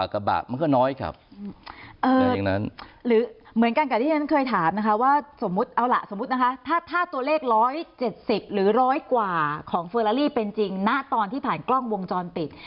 ของเฟอราลีเป็นจริงณตอนที่ผ่านกล้องวงจรปิด